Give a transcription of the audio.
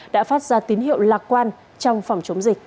đã phát ra tín hiệu lạc quan trong phòng chống dịch